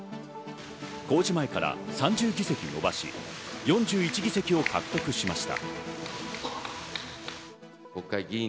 公示前から３０議席のばし、４１議席を獲得しました。